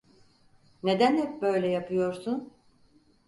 Neden hep böyle yapıyorsun?